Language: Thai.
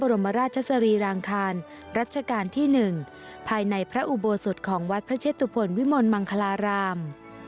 รัชกาลที่๑ภายในพระอุโบสถของวัดพระเชศตุผลวิมนต์มังคลาราม